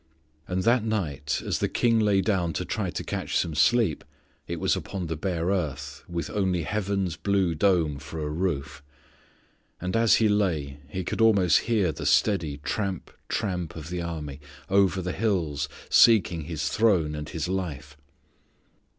And that night as the king lay down to try to catch some sleep, it was upon the bare earth, with only heaven's blue dome for a roof. And as he lay he could almost hear the steady tramp, tramp of the army, over the hills, seeking his throne and his life.